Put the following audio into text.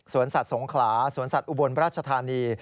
สัตว์สงขลาสวนสัตว์อุบลราชธานี